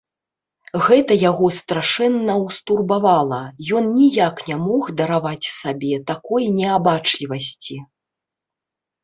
Гэта яго страшэнна ўстурбавала, ён ніяк не мог дараваць сабе такой неабачлівасці.